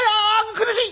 苦しい！